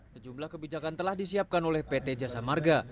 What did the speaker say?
sejumlah kebijakan telah disiapkan oleh pt jasa marga